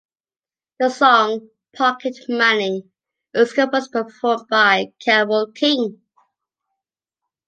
The song "Pocket Money" is composed and performed by Carole King.